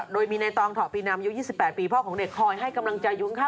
โดยมีในตองเถาปีนามอายุ๒๘ปีพ่อของเด็กคอยให้กำลังใจยุ้งข้าว